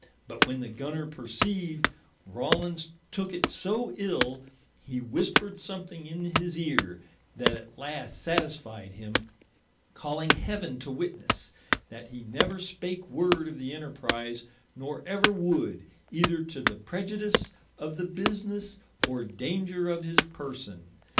But when the Gunner perceived, Rawlins tooke it so ill, hee whispered something in his eare, that at last satisfied him, calling Heaven to witnesse, that he never spake word of the Enterprize, nor ever would, either to the preiudice of the businesse, or danger of his person.